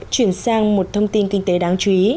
chuyển sang một thông tin kinh tế đáng chú ý